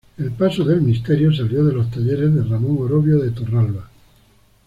El paso del misterio salió de los talleres de Ramón Orovio de Torralba.